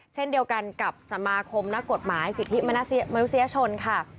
เช่นเดียวกันกับสมาคมนักกฎหมายสิทธิมนุษยชนค่ะ